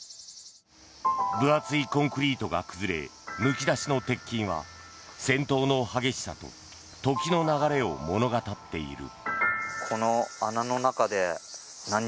分厚いコンクリートが崩れむき出しの鉄筋は戦闘の激しさと時の流れを物語っている。